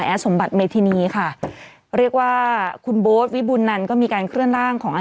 สมบัติเมธินีค่ะเรียกว่าคุณโบ๊ทวิบุญนันก็มีการเคลื่อนร่างของอา